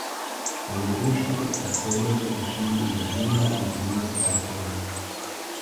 Seine Gedichte und Erzählungen erschienen in Berliner und Wiener Zeitungen.